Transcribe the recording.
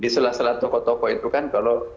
di salah salah toko toko itu kan kalau